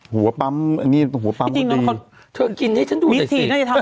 หัวปัมนี่หัวปัมดีพี่จริงฮะเธอกินให้ฉันดูน่ะสิ